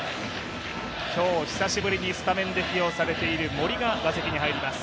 今日、久しぶりにスタメンで起用されている森が打席に入ります。